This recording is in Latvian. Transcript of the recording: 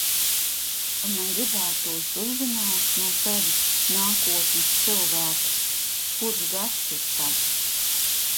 Un man gribētos uzzināt no tevis, nākotnes cilvēk, kurš gads ir tad.